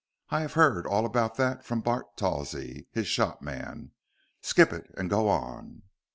"I have heard all about that from Bart Tawsey, his shopman. Skip it and go on."